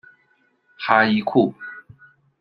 哈伊库。